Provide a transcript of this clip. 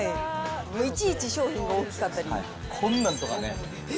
いちいち商品が大きかったり。え？